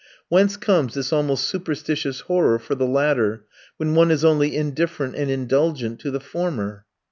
Whence comes this almost superstitious horror for the latter, when one is only indifferent and indulgent to the former?